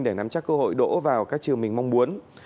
để nắm chắc cơ hội đỗ vào các trường mình mong muốn